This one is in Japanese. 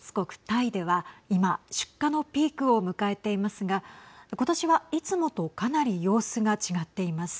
タイでは今出荷のピークを迎えていますがことしは、いつもとかなり様子が違っています。